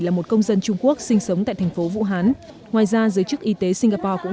là một công dân trung quốc sinh sống tại thành phố vũ hán ngoài ra giới chức y tế singapore cũng